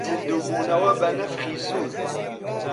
زیندوو بوونەوە بە نەفخی سوورە